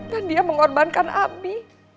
dan dia mengorbankan ami